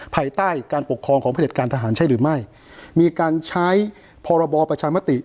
ภายใต้การปกครองของผลิตการทหารใช่หรือไม่มีการใช้พรบประชามติ